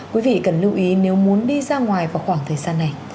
quý vị cần lưu ý nếu muốn đi ra ngoài vào khoảng thời gian này